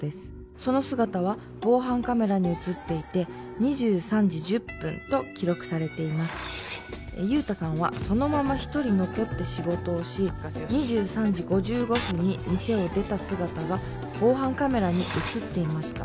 その姿は防犯カメラに写っていて２３時１０分と記録されています雄太さんはそのまま一人残って仕事をし２３時５５分に店を出た姿が防犯カメラに写っていました